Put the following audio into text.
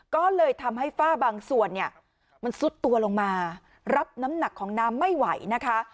ก็เลยทำให้ฝ้าบางส่วนเนี่ยมันซุดตัวลงมารับน้ำหนักของน้ำไม่ไหวนะคะ